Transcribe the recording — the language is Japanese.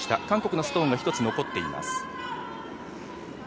韓国のストーンが１つ残っています。